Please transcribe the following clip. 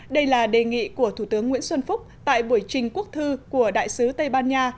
đây là đề nghị của thủ tướng nguyễn xuân phúc tại buổi trình quốc thư của đại sứ tây ban nha